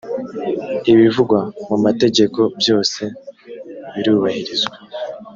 ibivugwa mumategeko byose birubahirizwa.